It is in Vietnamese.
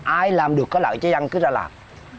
ai làm được có lợi chứ dân cứ ra làm